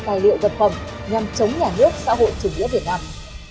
tài liệu vật phẩm nhằm chống nhà nước xã hội chủ nghĩa việt nam